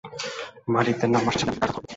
মাটিতে নামার সাথে সাথে আমি তাকে আঘাত করবো!